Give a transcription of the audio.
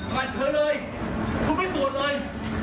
มาเฉอะเลยไม่โทรดเลย